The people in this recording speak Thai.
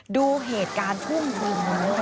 ดูเหตุการณ์ช่วงนี้